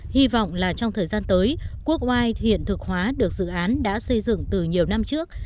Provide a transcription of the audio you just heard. hy vọng là trong thời gian tới quốc oai hiện thực hóa được dự án đã xây dựng từ nhiều năm trước